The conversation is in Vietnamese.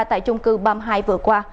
tại chung cư palm heights vừa qua